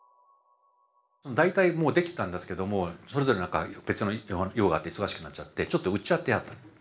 大体もうできてたんですけどもそれぞれ何か別の用があって忙しくなっちゃってちょっとうっちゃってあった。